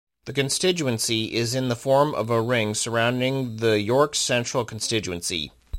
The constituency is in the form of a ring surrounding the York Central constituency.